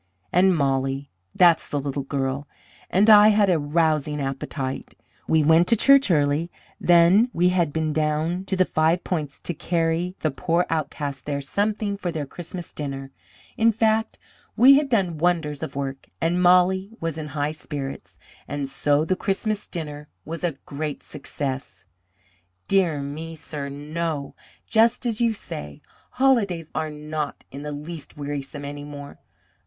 And Molly that's the little girl and I had a rousing appetite. We went to church early; then we had been down to the Five Points to carry the poor outcasts there something for their Christmas dinner; in fact, we had done wonders of work, and Molly was in high spirits, and so the Christmas dinner was a great success. "Dear me, sir, no! Just as you say. Holidays are not in the least wearisome any more.